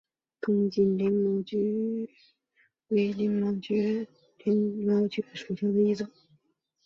东京鳞毛蕨为鳞毛蕨科鳞毛蕨属下的一个种。